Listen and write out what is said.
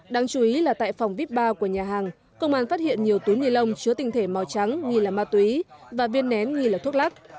đáng chú ý là tại phòng vip bar của nhà hàng công an phát hiện nhiều túi nilon chứa tinh thể màu trắng ghi là ma túy và viên nén ghi là thuốc lắc